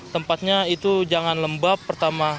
tempatnya itu jangan lembab pertama